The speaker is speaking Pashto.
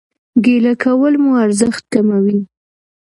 ګيله کول مو ارزښت کموي